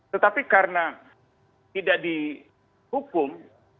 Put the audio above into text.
tetapi karena tidak dihukum